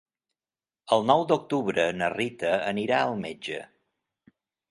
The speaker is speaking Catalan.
El nou d'octubre na Rita anirà al metge.